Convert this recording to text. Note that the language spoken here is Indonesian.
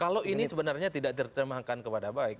kalau ini sebenarnya tidak diterima akan kepada baik